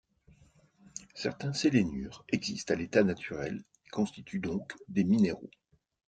Certains séléniures existent à l'état naturel et constituent donc des minéraux.